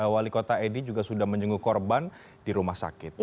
wali kota edi juga sudah menjenguk korban di rumah sakit